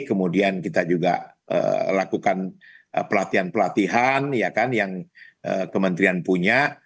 kemudian kita juga lakukan pelatihan pelatihan yang kementerian punya